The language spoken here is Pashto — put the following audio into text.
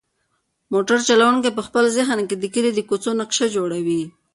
موټر چلونکی په خپل ذهن کې د کلي د کوڅو نقشه جوړوي.